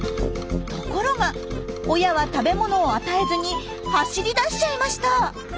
ところが親は食べ物を与えずに走り出しちゃいました。